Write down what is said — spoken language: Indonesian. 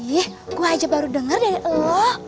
ih gue aja baru denger dari lo